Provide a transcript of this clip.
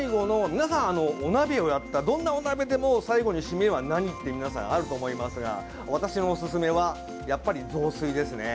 皆さん、お鍋をやったどんなお鍋でも最後にシメは何って皆さんあると思いますが私のおすすめはやっぱり雑炊ですね。